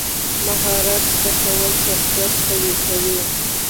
مهارت زده کول شخصیت قوي کوي.